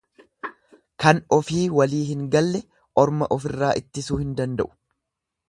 Kan ofii walii hin galle orma ofirraa ittisuu hin danda'u.